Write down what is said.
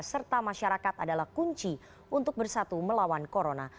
serta masyarakat adalah kunci untuk bersatu melawan corona